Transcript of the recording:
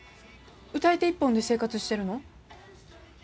歌い手一本で生活してるの？